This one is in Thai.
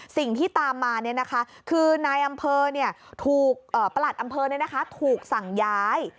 สิ่งที่ตามมาคือประหลัดอำเภอถูกสั่งย้าย